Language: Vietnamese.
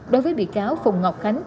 đối với bị cáo phùng ngọc khánh